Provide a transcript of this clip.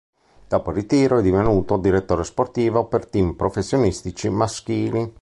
Dopo il ritiro è divenuto direttore sportivo per team professionistici maschili.